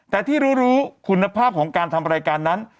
แต่ที่รู้คุณภาพของการทำรายการนั้น